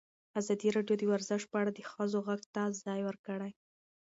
ازادي راډیو د ورزش په اړه د ښځو غږ ته ځای ورکړی.